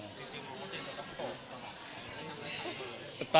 จริงพวกมันจะต้องโฟนก่อนครับ